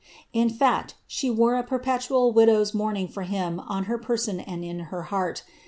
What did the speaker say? In iact, she wore a perpetual widow's mourning for him on her person and in her heart.